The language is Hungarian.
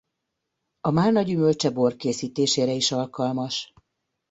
A málna gyümölcse bor készítésére is alkalmas.